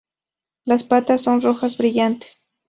Las patas son rojas brillantes.